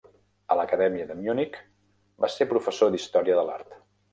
A l'acadèmia de Munic, va ser professor d'història de l'art.